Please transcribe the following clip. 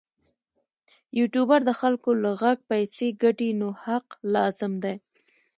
یوټوبر د خلکو له غږ پیسې ګټي نو حق لازم دی.